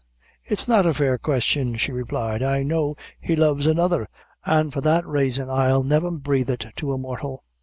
"It's not a fair question," she replied; "I know he loves another, an' for that raison I'll never breathe it to a mortal."